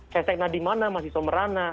hashtag nadiemana masih somerana